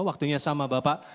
waktunya sama bapak